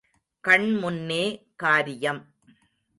கண் முன்னே காரியம்!